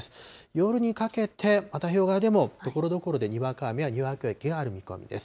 夜にかけて、太平洋側でもところどころでにわか雨やにわか雪がある見込みです。